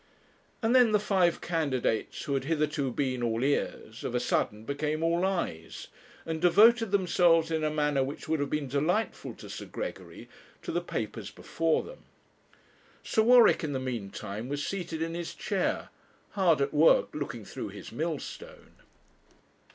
And then the five candidates, who had hitherto been all ears, of a sudden became all eyes, and devoted themselves in a manner which would have been delightful to Sir Gregory, to the papers before them. Sir Warwick, in the meantime, was seated in his chair, hard at work looking through his millstone.